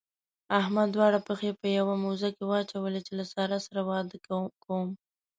احمد دواړه پښې په يوه موزه کې واچولې چې له سارا سره واده کوم.